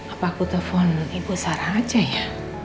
apa aku telfon ibu sarah aja ya